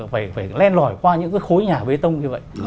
phải len lỏi qua những cái khối nhà bê tông như vậy